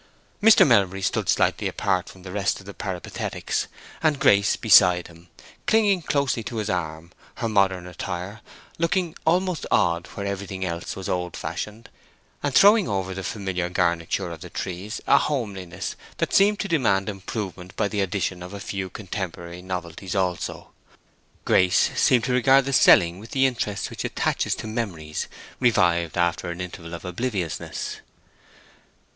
Mr. Melbury stood slightly apart from the rest of the Peripatetics, and Grace beside him, clinging closely to his arm, her modern attire looking almost odd where everything else was old fashioned, and throwing over the familiar garniture of the trees a homeliness that seemed to demand improvement by the addition of a few contemporary novelties also. Grace seemed to regard the selling with the interest which attaches to memories revived after an interval of obliviousness.